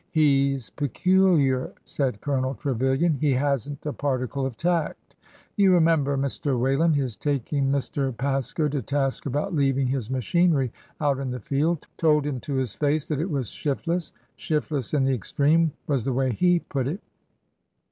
'' He 's peculiar/' said Colonel Trevilian. He has n't a particle of tact. You remember, Mr. Whalen, his tak ing Mr. Pasco to task about leaving his machinery out in the field?— told him to his face that it was shiftless shiftless in the extreme, was the way he put it.